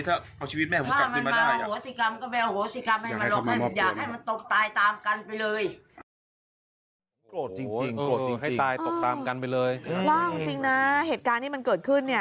เล่าจริงนะเหตุการณ์นี้มันเกิดขึ้น